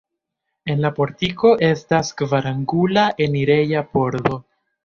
En la portiko estas kvarangula enireja pordo.